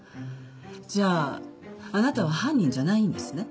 じゃああなたは犯人じゃないんですね？